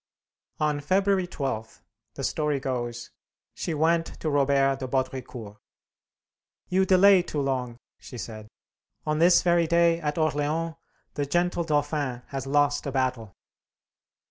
On February 12, the story goes, she went to Robert de Baudricourt. "You delay too long," she said. "On this very day, at Orleans, the gentle Dauphin has lost a battle."